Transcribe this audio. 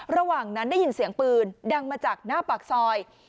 ระหว่างนั้นได้ยินเสียงปืนดังมาจากหน้าปากซอย